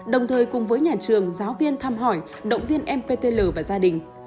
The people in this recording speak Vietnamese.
đồng thời cùng với nhà trường giáo viên thăm hỏi động viên em ptl và gia đình